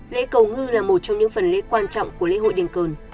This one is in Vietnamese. lễ cầu ngư là một trong những phần lễ quan trọng của lễ hội đền cờ